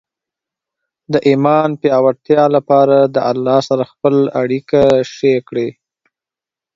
د ایمان پیاوړتیا لپاره د الله سره خپل اړیکه ښې کړئ.